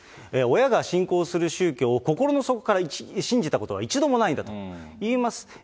親が信仰する宗教を心の底から信じたことは一度もないんだといいます。